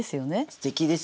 すてきですね。